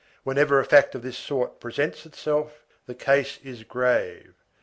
Whenever a fact of this sort presents itself, the case is grave.